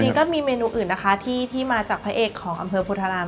ก็มีเมนูอื่นนะคะที่มาจากพระเอกของอำเภอโพธาราม